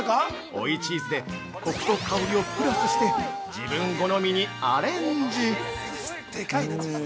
追いチーズで、コクと香りをプラスして、自分好みにアレンジ！！